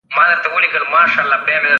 هره لوحه د زده کوونکي مهارت څرګنداوه.